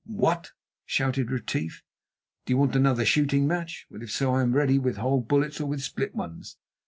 "What!" shouted Retief, "do you want another shooting match? Well, if so I am ready with whole bullets or with split ones.